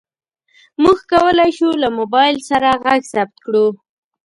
موږ کولی شو له موبایل سره غږ ثبت کړو.